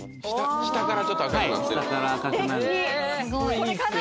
下からちょっと赤くなってるすてき！